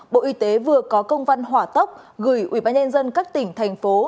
bộ y tế vừa có công văn hỏa tốc gửi ubnd các tỉnh thành phố